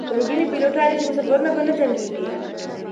که نجونې پیلوټانې شي نو سفرونه به نه ځنډیږي.